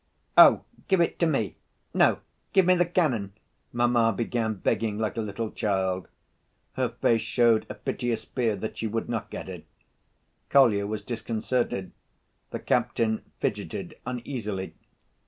"Oh, give it to me! No, give me the cannon!" mamma began begging like a little child. Her face showed a piteous fear that she would not get it. Kolya was disconcerted. The captain fidgeted uneasily.